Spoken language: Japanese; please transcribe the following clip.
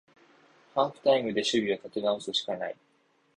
ハーフタイムで守備を立て直すしかない